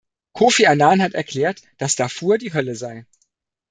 Kofi Annan hat erklärt, dass Darfur die Hölle sei.